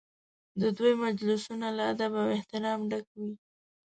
د دوی مجلسونه له ادب او احترامه ډک وي.